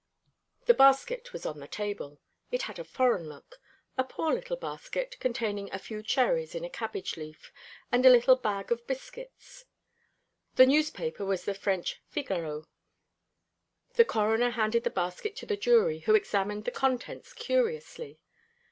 The basket was on the table. It had a foreign look; a poor little basket, containing a few cherries in a cabbage leaf, and a little bag of biscuits. The newspaper was the French Figaro. The Coroner handed the basket to the jury, who examined the contents curiously.